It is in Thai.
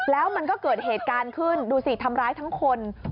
แล้วมันก็เกิดเหตุการณ์ขึ้นดูสิทำร้ายทั้งคน